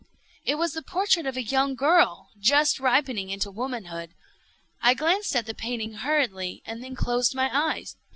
It was the portrait of a young girl just ripening into womanhood. I glanced at the painting hurriedly, and then closed my eyes.